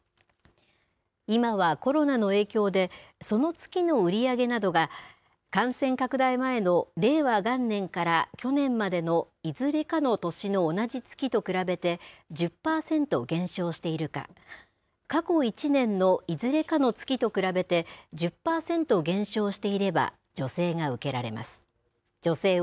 今はコロナの影響で、その月の売り上げなどが、感染拡大前の令和元年から去年までのいずれかの年の同じ月と比べて、１０％減少しているか、過去１年のいずれかの月と比べて、１０％減少していれば助成を受けられます。